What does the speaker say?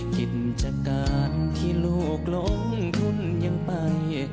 กิจการที่ลูกลงทุนยังไป